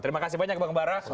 terima kasih banyak bang bara